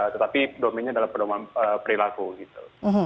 tetapi domainnya dalam perilaku gitu